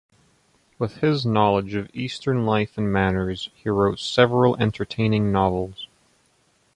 With his knowledge of Eastern life and manners, he wrote several entertaining novels.